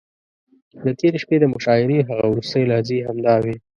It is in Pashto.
د تېرې شپې د مشاعرې هغه وروستۍ لحظې همداوې.